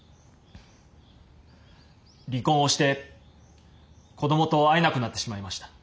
離婚をして子どもと会えなくなってしまいました。